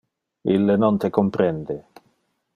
Ille non te comprende.